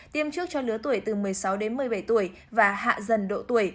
tiêm trước cho lứa tuổi từ một mươi sáu đến một mươi bảy tuổi và hạ dần độ tuổi